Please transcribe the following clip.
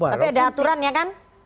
tapi ada aturan ya kan